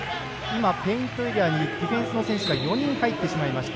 ペイントエリアにディフェンスの選手が４人入ってしまいました。